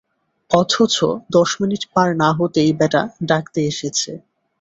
অথচ দশ মিনিট পার না-হতেই ব্যাটা ডাকতে এসেছে।